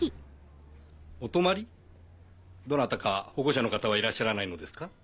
どなたか保護者の方はいらっしゃらないのですか？